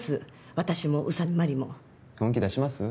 私も宇佐美マリも本気出します？